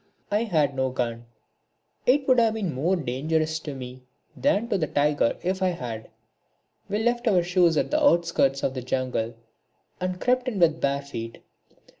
I had no gun, it would have been more dangerous to me than to the tiger if I had. We left our shoes at the outskirts of the jungle and crept in with bare feet.